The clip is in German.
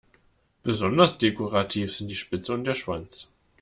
Besonders dekorativ sind die Spitze und der Schwanz.